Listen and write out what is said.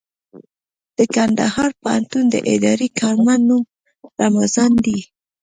د کندهار پوهنتون د اداري کارمند نوم رمضان دئ.